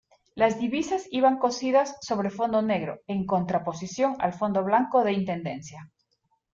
Las divisas iban cosidas sobre fondo negro, en contraposición al fondo blanco de Intendencia.